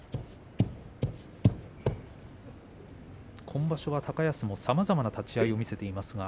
今場所は高安もさまざまな立ち合いを見せています。